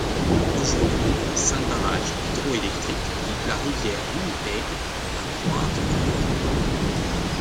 Aujourd'hui, cinq barrages hydro-électriques coupent la rivière Winnipeg à Pointe du Bois.